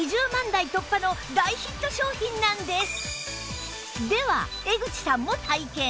台突破の大ヒット商品なんです